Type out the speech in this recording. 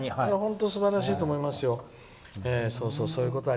すばらしいと思いますよ。